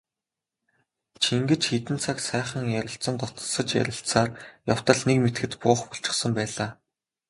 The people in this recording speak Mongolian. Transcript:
Чингэж хэдэн цаг сайхан ярилцан дотносож ярилцсаар явтал нэг мэдэхэд буух болчихсон байлаа.